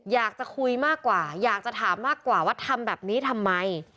อยากจะคุยมากกว่าอยากจะถามมากกว่าว่าทำแบบนี้ทำไม